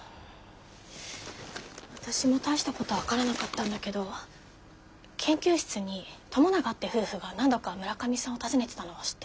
私も大したことは分からなかったんだけど研究室に友永って夫婦が何度か村上さんを訪ねてたのは知ってる？